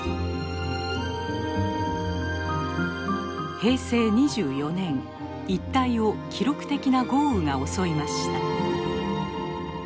平成２４年一帯を記録的な豪雨が襲いました。